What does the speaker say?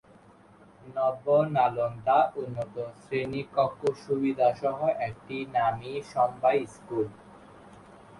নব নালন্দা উন্নত শ্রেণিকক্ষ সুবিধা সহ একটি নামী সমবায় স্কুল।